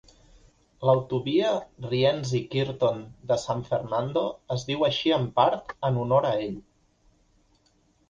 L'autovia Rienzi-Kirton de San Fernando es diu així en part en honor a ell.